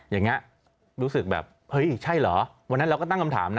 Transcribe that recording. อย่างนี้รู้สึกแบบเฮ้ยใช่เหรอวันนั้นเราก็ตั้งคำถามนะ